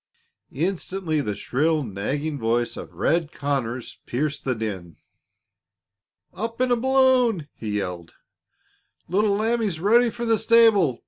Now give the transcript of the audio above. Instantly the shrill, nagging voice of "Red" Conners pierced the din. "Up in a balloon!" he yelled. "Little Lambie's ready for the stable.